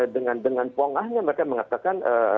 dan dengan pongahnya mereka mengatakan